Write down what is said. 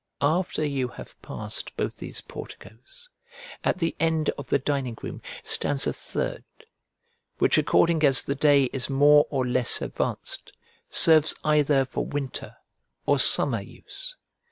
After you have passed both these porticoes, at the end of the dining room stands a third, which according as the day is more or less advanced, serves either for Winter or summer use.